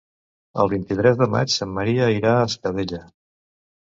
El vint-i-tres de maig en Maria irà a Espadella.